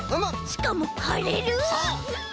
しかもはれる！